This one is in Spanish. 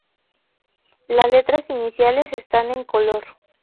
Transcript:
Las letras iniciales están en color.